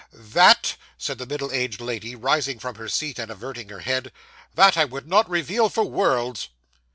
'That,' said the middle aged lady, rising from her seat, and averting her head 'that I would not reveal for worlds.